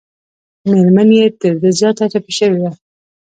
مېرمن یې تر ده زیاته ټپي شوې وه.